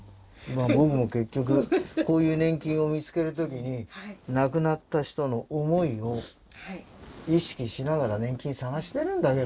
僕も結局こういう年金を見つける時に亡くなった人の思いを意識しながら年金探してるんだけどね。